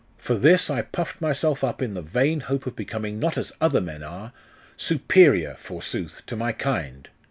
For this I puffed myself up in the vain hope of becoming not as other men are superior, forsooth, to my kind!